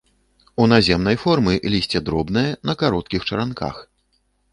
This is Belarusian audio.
У наземнай формы лісце дробнае, на кароткіх чаранках.